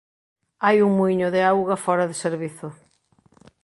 Hai un muíño de auga fóra de servizo.